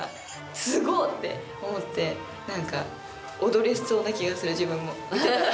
すご！って思って何か踊れそうな気がする自分も。